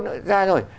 nói ra rồi